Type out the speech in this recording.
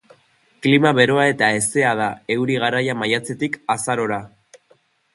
Klima beroa eta hezea da, euri garaia maiatzetik azarora.